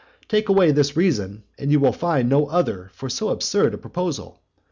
Take away this reason, and you will find no other for so absurd a proposal.